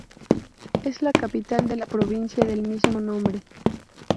Es la capital de la provincia del mismo nombre.